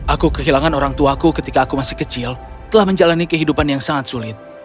aku kehilangan orang tuaku ketika aku masih kecil telah menjalani kehidupan yang sangat sulit